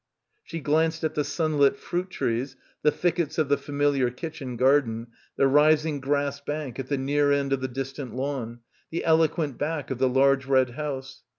She glanced at the sunlit fruit trees, the thickets of the familiar kitchen garden, the rising grass bank at the near end of the distant lawn, the eloquent back of the large red house.